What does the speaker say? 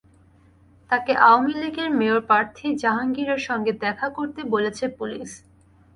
তাঁকে আওয়ামী লীগের মেয়র প্রার্থী জাহাঙ্গীরের সঙ্গে দেখা করতে বলেছে পুলিশ।